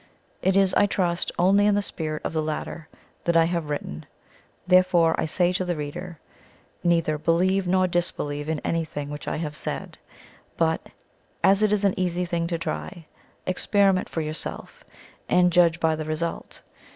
It is, I trust, only in the spirit of the latter, that I have written; therefore I say to the reader, Neither, believe nor disbelieve in anything which I have said, but, as it is an easy thing to try, experiment for yourself, and judge by the result.